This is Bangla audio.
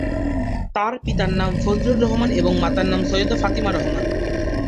তার পিতার নাম ফজলুর রহমান এবং মাতার নাম সৈয়দা ফাতিমা রহমান।